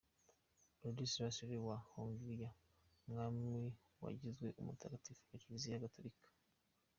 Ladislas Ier wa Hongiriya, umwami wagizwe umutagatifu na Kiliziya Gaturika.